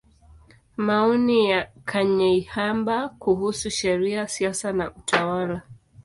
Maoni ya Kanyeihamba kuhusu Sheria, Siasa na Utawala.